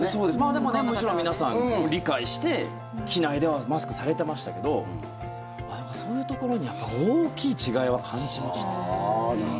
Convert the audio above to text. でも、もちろん皆さん理解して機内ではマスクされてましたけどそういうところに大きい違いは感じましたね。